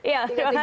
ya terima kasih